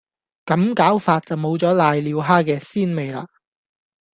咁搞法就冇咗攋尿蝦嘅鮮味喇